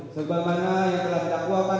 sebab mana yang telah dilakukan